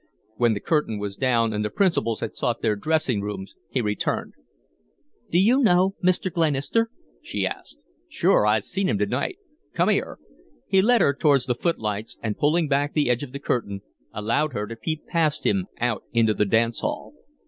When the curtain was down and the principals had sought their dressing rooms he returned. "Do you know Mr. Glenister?" she asked. "Sure. I seen him to night. Come here." He led her towards the footlights, and, pulling back the edge of the curtain, allowed her to peep past him out into the dance hall.